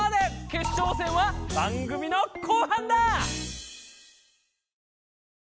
決勝戦は番組の後半だ！